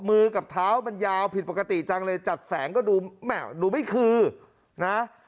มือกับเท้ามันยาวผิดปกติจังเลยจัดแสงก็ดูแหม่ดูไม่คือนะ